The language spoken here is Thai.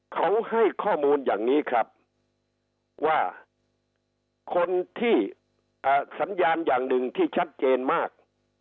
เขาให้ข้อมูลอย่างนี้ครับว่าคนที่สัญญาณอย่างหนึ่งที่ชัดเจนมาก